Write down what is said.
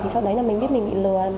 sau đấy là mình biết mình bị lừa ăn